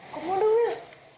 kok mau dong wil